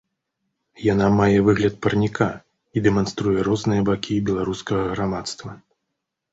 Яна мае выгляд парніка і дэманструе розныя бакі беларускага грамадства.